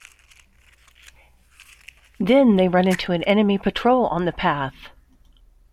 Then they run into an enemy patrol on the path.